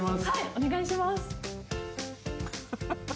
お願いします。